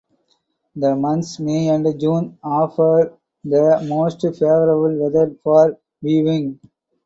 The months May and June offer the most favorable weather for viewing.